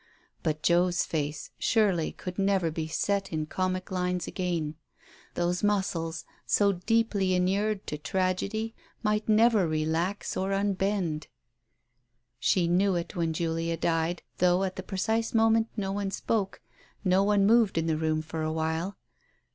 But Joe's face surely could never be set in comic lines again, those muscles, so deeply inured to tragedy, might never relax or unbend. ... She knew it when Julia died, though at the precise moment no one spoke, no one moved in the room for a while.